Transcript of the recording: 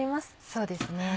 そうですね。